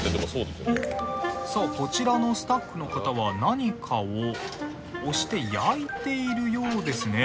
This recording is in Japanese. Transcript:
さあこちらのスタッフの方は何かを押して焼いているようですね。